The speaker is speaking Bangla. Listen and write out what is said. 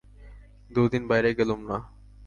দু দিন বাইরে গেলুম না।